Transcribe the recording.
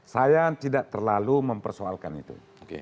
saya tidak terlalu mempersoalkan itu